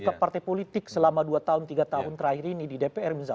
ke partai politik selama dua tahun tiga tahun terakhir ini di dpr misalnya